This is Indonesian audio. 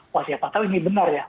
wah siapa tahu ini benar ya